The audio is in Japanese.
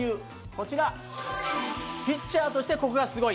こちらピッチャーとしてここがすごい。